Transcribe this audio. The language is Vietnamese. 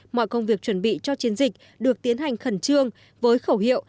mọi công việc chuẩn bị cho chiến dịch được tiến hành khẩn trương với khẩu hiệu